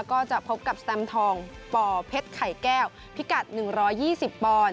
ก็จะพบกับสแตมทองป่อเพชรไข่แก้วพิกัด๑๒๐ปอนด์